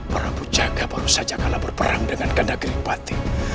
prabu jaga baru saja kalah berperang dengan gandha giripati